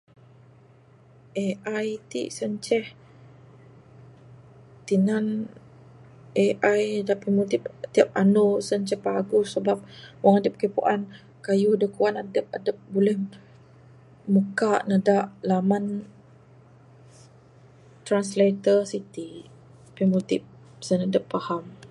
AI ti sien inceh tinan AI da pimudip adup tiap anu sien ceh paguh sebab wang adup kaii puan kayuh da kuan adup buleh muka nuh da laman translator siti pimudip sen adup faham.